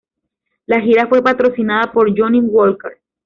La gira fue patrocinada por Johnnie Walker.